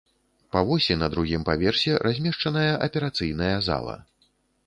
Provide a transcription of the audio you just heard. Па восі на другім паверсе размешчаная аперацыйная зала.